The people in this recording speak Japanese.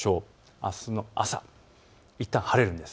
あすの朝、いったん晴れるんです。